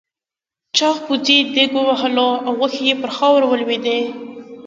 چاغ پوځي دېگ ووهلو او غوښې پر خاورو ولوېدې.